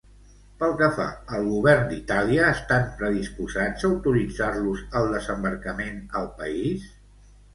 Pel que fa al govern d'Itàlia, estan predisposats a autoritzar-los el desembarcament al país?